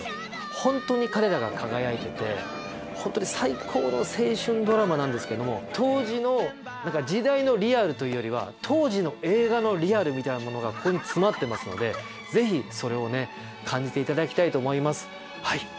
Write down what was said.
ホントに彼らが輝いててホントに最高の青春ドラマなんですけども当時の時代のリアルというよりは当時の映画のリアルみたいなものがここに詰まってますのでぜひそれをね感じていただきたいと思います。